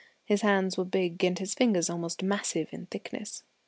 His hands were big and his fingers almost massive in thickness.